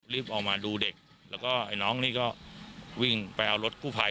รีบออกมาดูเด็กแล้วก็ไอ้น้องนี่ก็วิ่งไปเอารถกู้ภัย